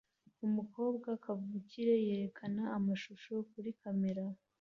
Umukobwa kavukire yerekana amashusho kuri kamera